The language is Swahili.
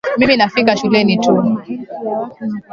Mimi nafika shuleni tu